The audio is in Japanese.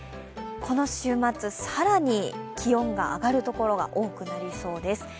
この週末、更に気温が上がる所が多くなりそうです。